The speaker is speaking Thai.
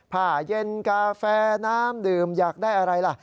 ผ้าเย็นกาแฟน้ำดื่มอยากได้อะไรล่ะ